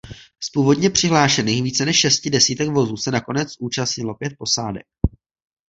Z původně přihlášených více než šesti desítek vozů se nakonec účastnilo pět posádek.